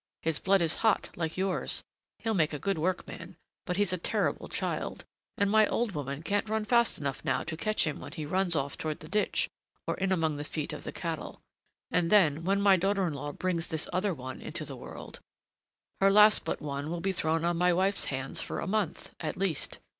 His blood is hot, like yours: he'll make a good workman, but he's a terrible child, and my old woman can't run fast enough now to catch him when he runs off toward the ditch or in among the feet of the cattle. And then, when my daughter in law brings this other one into the world, her last but one will be thrown on my wife's hands for a month, at least.